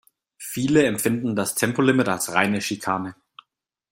Viele empfinden das Tempolimit als reine Schikane.